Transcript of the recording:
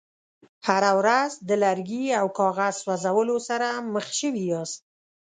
هره ورځ د لرګي او کاغذ سوځولو سره مخامخ شوي یاست.